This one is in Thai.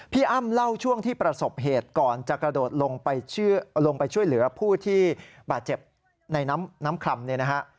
อ้ำเล่าช่วงที่ประสบเหตุก่อนจะกระโดดลงไปช่วยเหลือผู้ที่บาดเจ็บในน้ำคลำเนี่ยนะฮะ